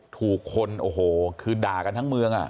ถูกคนโอ้โหคือด่ากันทั้งเมืองอ่ะ